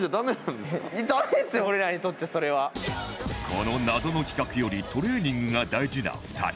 この謎の企画よりトレーニングが大事な２人